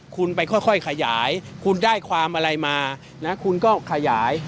คุณไปค่อยขยายคุณได้ความอะไรมานะคุณก็ขยาย